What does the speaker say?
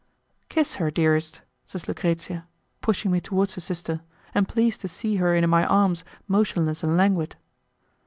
"Kiss her, dearest," says Lucrezia, pushing me towards her sister, and pleased to see her in my arms motionless and languid.